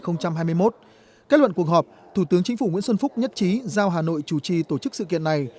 năm hai nghìn hai mươi một kết luận cuộc họp thủ tướng chính phủ nguyễn xuân phúc nhất trí giao hà nội chủ trì tổ chức sự kiện này